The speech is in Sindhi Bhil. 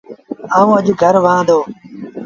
آئوٚݩ اَڄ گھر وهآن دو۔